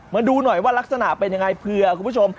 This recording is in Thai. มาดูหน่อยว่ารักษณะเป็นยังไงเผื่อคุณผู้ชม